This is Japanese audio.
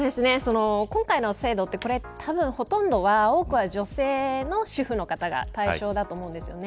今回の制度ってたぶん多くは女性の主婦の方が対象だと思うんですよね。